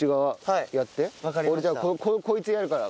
俺じゃあこいつやるから。